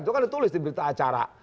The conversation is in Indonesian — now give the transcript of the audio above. itu kan ditulis di berita acara